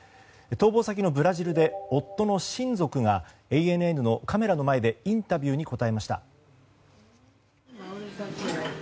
逃亡先のブラジルで夫の親族がＡＮＮのカメラの前でインタビューに答えました。